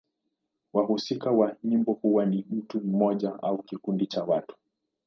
Wahusika wa nyimbo huwa ni mtu mmoja au kikundi cha watu.